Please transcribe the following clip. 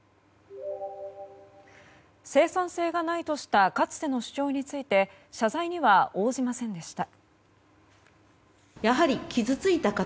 生産性がないとしたかつての主張について謝罪には応じませんでした。